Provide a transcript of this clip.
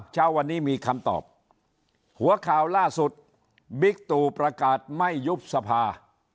เช้าวันนี้มีคำตอบหัวข่าวล่าสุดบิ๊กตู่ประกาศไม่ยุบสภา